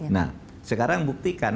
nah sekarang buktikan